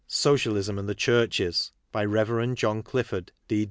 Socialism and the Churches.^By Rev. John Clifford.